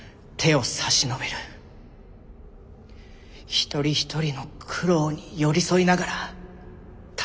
一人一人の苦労に寄り添いながら助ける。